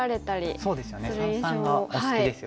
そうですよね三々がお好きですよね。